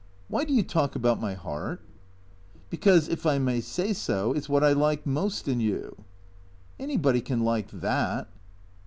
" Why do you talk about my heart ?"" Because, if I may say so, it 's what I like most in you." " Anvbody can like that."